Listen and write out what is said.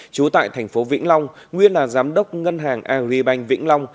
trú tại thành phố vĩnh long nguyên là giám đốc ngân hàng agribank vĩnh long